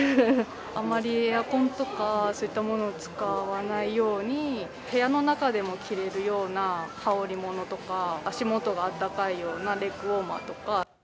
あまりエアコンとか、そういったものを使わないように、部屋の中でも着れるような羽織りものとか、足元があったかいようなレッグウォーマーとか。